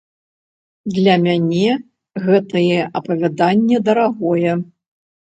Для мяне гэтае апавяданне дарагое.